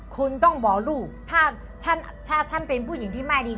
คุณต้องบอกลูกถ้าท่านเป็นผู้หญิงที่ไม่ดี